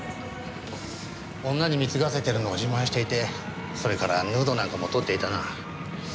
女に貢がせてるのを自慢していてそれからヌードなんかも撮っていたな。